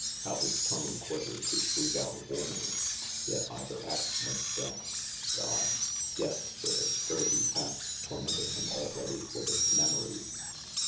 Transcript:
How his tongue quivered to shriek out a warning. Yet either act meant death. God ! Death, with a scurvy past tormenting him already with its memories.